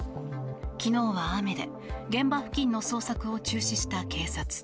昨日は雨で現場付近の捜索を中止した警察。